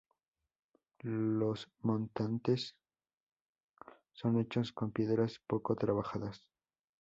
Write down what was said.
Los montantes son hechos con piedras poco trabajadas.